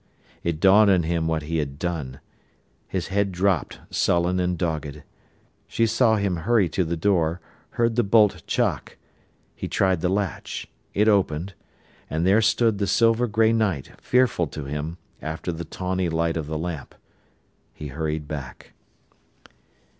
It dawned on him what he had done. His head dropped, sullen and dogged. She saw him hurry to the door, heard the bolt chock. He tried the latch. It opened—and there stood the silver grey night, fearful to him, after the tawny light of the lamp. He hurried back.